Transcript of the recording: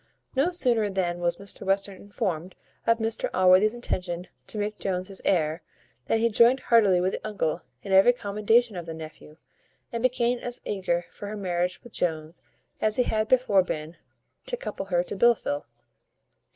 No sooner then was Western informed of Mr Allworthy's intention to make Jones his heir, than he joined heartily with the uncle in every commendation of the nephew, and became as eager for her marriage with Jones as he had before been to couple her to Blifil.